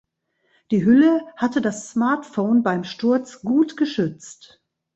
Die Hülle hatte das Smartphone beim Sturz gut geschützt.